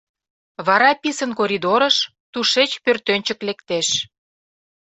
Вара писын коридорыш, тушеч пӧртӧнчык лектеш.